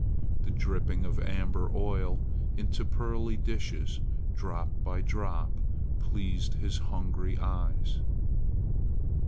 The dripping of amber oil into pearly dishes, drop by drop, pleased his hungry eyes.